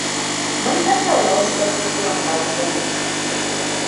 Mun tattauna wasu batutuwan kasuwanci.